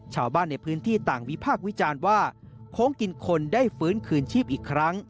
ชาวบ้านในพื้นที่ต่างวิพากษ์วิจารณ์ว่าโค้งกินคนได้ฟื้นคืนชีพอีกครั้ง